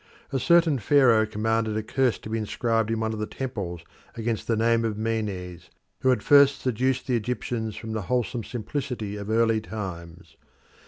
A certain Pharaoh commanded a curse to be inscribed in one of the temples against the name of Menes, who had first seduced the Egyptians from the wholesome simplicity of early times.